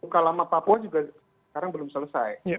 pukul lama papua juga sekarang belum selesai